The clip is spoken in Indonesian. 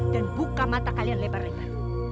dan buka mata kalian lebar lebar